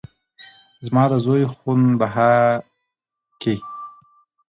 زما د زوى خون بها کې